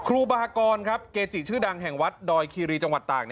ครูบากรครับเกจิชื่อดังแห่งวัดดอยคีรีจังหวัดตาก